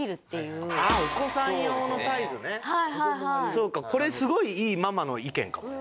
そうかこれすごいいいママの意見かもよ。